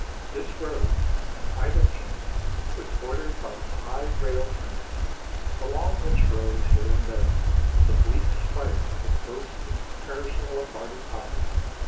This road, on either hand, was bordered by a high rail fence, along which rose, here and there, the bleak spire of a ghostly and perishing Lombardy poplar.